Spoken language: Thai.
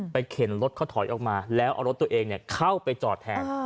เข็นรถเขาถอยออกมาแล้วเอารถตัวเองเข้าไปจอดแทน